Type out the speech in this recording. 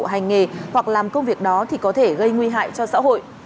hành nghề hoặc làm công việc đó thì có thể gây nguy hại cho xã hội